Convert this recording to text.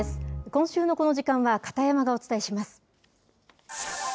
今週のこの時間は、片山がお伝えします。